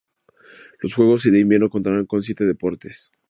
Los juegos de invierno contarán con siete deportes.